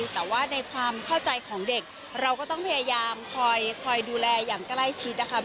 แต่ว่าในความเข้าใจของเด็กเราก็ต้องพยายามคอยดูแลอย่างใกล้ชิดนะคะ